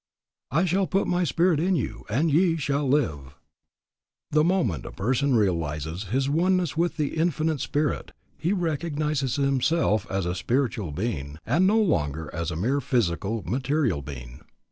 "I shall put My spirit in you, and ye shall live." The moment a person realizes his oneness with the Infinite Spirit he recognizes himself as a spiritual being, and no longer as a mere physical, material being.